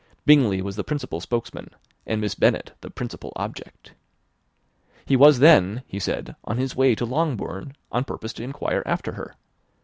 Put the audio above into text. Bingley was the principal spokesman, and Miss Bennet the principal object. He was then, he said, on his way to Longbourn on purpose to inquire after her.